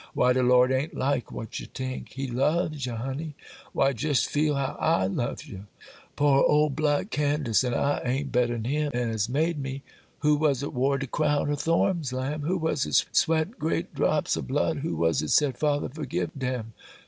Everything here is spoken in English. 'Why, de Lord a'n't like what ye tink,—He loves ye, honey! Why, jes' feel how I loves ye,—poor ole black Candace,—an' I a'n't better'n Him as made me! Who was it wore de crown o' thorns, lamb?—who was it sweat great drops o' blood?—who was it said, "Father, forgive dem"?